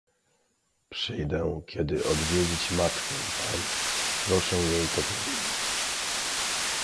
"Przyjdę kiedy odwiedzić matkę pani; proszę jej to powiedzieć."